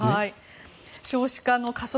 少子化の加速